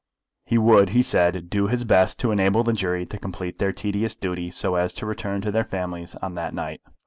He would, he said, do his best to enable the jury to complete their tedious duty, so as to return to their families on that night.